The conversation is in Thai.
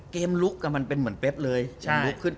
เกมลึกมันเป็นเหมือนเกมเลย